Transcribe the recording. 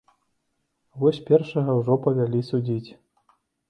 Вось першага ўжо павялі судзіць.